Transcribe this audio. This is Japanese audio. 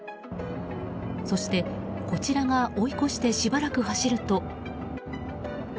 そして、こちらが追い越してしばらく走ると。